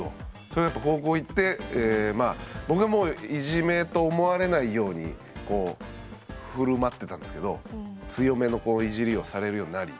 それがやっぱ高校行って僕がもういじめと思われないようにこう振る舞ってたんですけど強めのイジりをされるようになり。